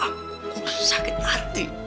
kamu khusus sakit hati